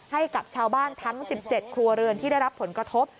ให้กับชาวบ้านทั้ง๑๗ครัวเรือนที่ได้รับผลกระทบ